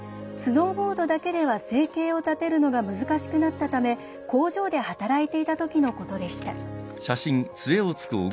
スノーボードだけでは生計を立てるの難しくなったため工場で働いていたときのことでした。